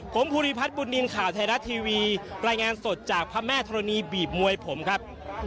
ผมภูริพัฒน์บุญนินทร์ข่าวไทยรัฐทีวีรายงานสดจากพระแม่ธรณีบีบมวยผมครับ